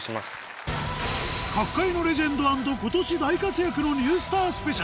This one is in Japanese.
各界のレジェンド＆今年大活躍のニュースターＳＰ